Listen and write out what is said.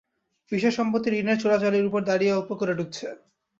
বিষয়সম্পত্তি ঋণের চোরাবালির উপর দাঁড়িয়ে– অল্প করে ডুবছে।